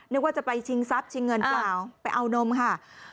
นึกว่าจะไปชิงทรัพย์ชิงเงินเปล่าไปเอานมค่ะ